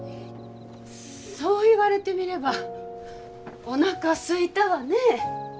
そう言われてみればおなかすいたわね。